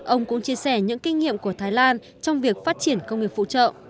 ông cũng chia sẻ những kinh nghiệm của thái lan trong việc phát triển công nghiệp phụ trợ